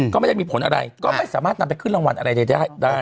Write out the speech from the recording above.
ก็ไม่ได้มีผลอะไรก็ไม่สามารถนำไปขึ้นรางวัลอะไรได้